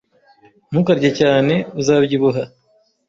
Ntukarye cyane. Uzabyibuha.